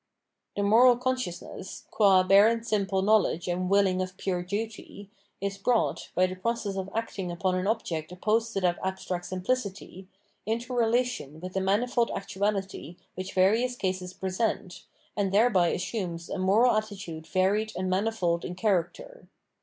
The moral consciousness, qua bare and simple know ledge and willing of pure duty, is brought, by the process of acting iipon an object opposed to that abstract simplicity, into relation with the manifold actuality which various cases present, and thereby assumes a moral attitude varied and manifold in character.